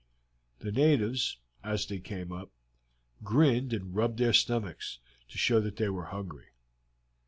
The natives, as they came up, grinned and rubbed their stomachs, to show that they were hungry.